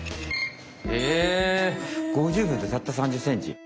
５０秒でたった３０ｃｍ？